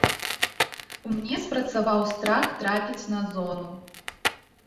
У мне спрацаваў страх трапіць на зону.